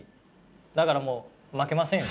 だからもう負けませんよ